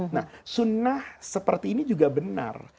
nah sunnah seperti ini juga benar